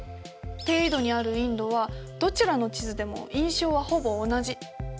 低緯度にあるインドはどちらの地図でも印象はほぼ同じ。